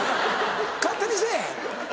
勝手にせぇ！